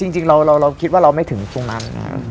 จริงเราคิดว่าเราไม่ถึงตรงนั้น